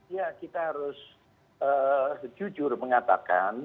ya kita harus jujur mengatakan